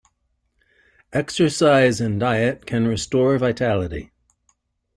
Exercise and diet can restore vitality.